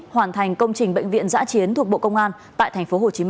hoàn thành công trình bệnh viện giã chiến thuộc bộ công an tại tp hcm